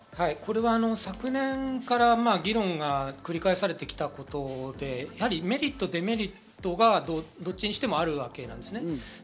これは昨年から議論が繰り返されてきたことでメリット・デメリットがどっちにしてもあるわけなんですね。